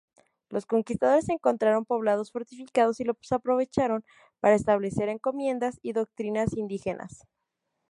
Los conquistadores encontraron poblados fortificados, y los aprovecharon para establecer encomiendas y doctrinas indígenas.